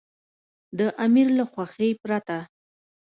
د امیر له خوښې پرته.